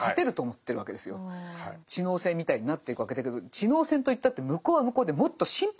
知能戦みたいになっていくわけだけど知能戦といったって向こうは向こうでもっとシンプルな構造なわけですから。